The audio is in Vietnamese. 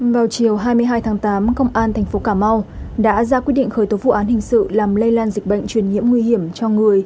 vào chiều hai mươi hai tháng tám công an tp cà mau đã ra quyết định khởi tố vụ án hình sự làm lây lan dịch bệnh truyền nhiễm nguy hiểm cho người